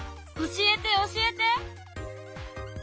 教えて教えて！